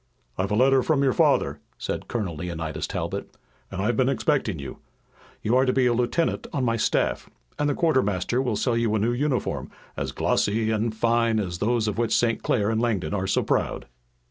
"I've had a letter from your father," said Colonel Leonidas Talbot, "and I've been expecting you. You are to be a lieutenant on my staff, and the quartermaster will sell you a new uniform as glossy and fine as those of which St. Clair and Langdon are so proud."